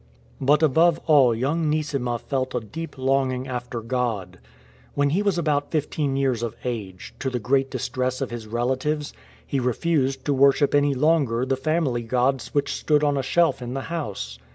But above all young Neesima felt a deep longing after God. When he was about fifteen years of age, to the great distress of his relatives, he refused to worship any longer the family gods which stood on a shelf in the house.